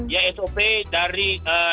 ya sop dari